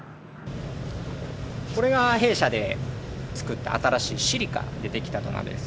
これが弊社で作った、新しいシリカで出来た土鍋です。